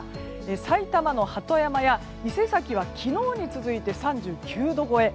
埼玉の鳩山や伊勢崎は昨日に続いて３９度超え。